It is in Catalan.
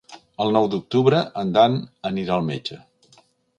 El nou d'octubre en Dan anirà al metge.